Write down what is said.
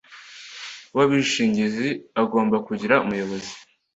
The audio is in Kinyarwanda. w abishingizi agomba kugira umuyobozi